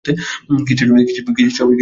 কিসের সময় এসে গেছে?